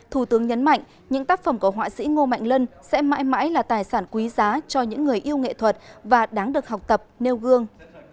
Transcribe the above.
thủ tướng nhấn mạnh những tác phẩm của họa sĩ ngô mạnh lân sẽ mãi mãi là tài sản quý giá cho những người yêu nghệ thuật và đáng được học tập nêu gương